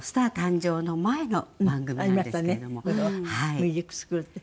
『ミュージック・スクール』って。